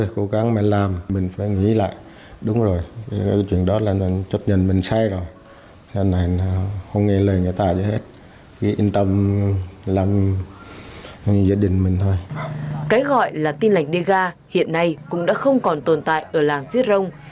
cái gọi là tiên lạch đế ga hiện nay cũng đã không còn tồn tại ở làng giết rồng